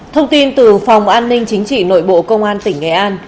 thông tin từ phòng an ninh chính trị nội bộ công an tỉnh nghệ an